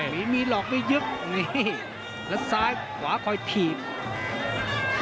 ไม้มีลอกไม่ยึกนี่แล้วขวาซ้ายคอยพีช